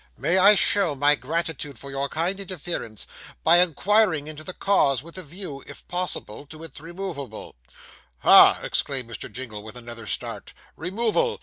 'May I show my gratitude for your kind interference, by inquiring into the cause, with a view, if possible, to its removal?' 'Ha!' exclaimed Mr. Jingle, with another start 'removal!